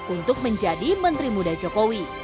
untuk menjadi menteri muda jokowi